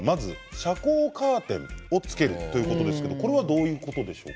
遮光カーテンをつけるということですが、どういうことでしょう。